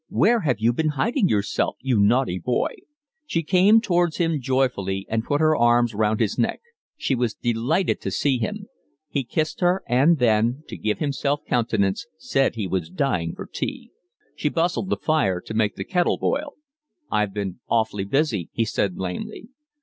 "Where have you been hiding yourself, you naughty boy?" She came towards him joyfully and put her arms round his neck. She was delighted to see him. He kissed her, and then, to give himself countenance, said he was dying for tea. She bustled the fire to make the kettle boil. "I've been awfully busy," he said lamely.